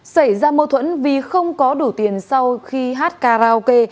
xảy ra mâu thuẫn vì không có đủ tiền sau khi hát karaoke